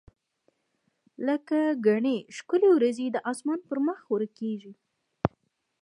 لکه ګڼي ښکلي وریځي د اسمان پر مخ ورکیږي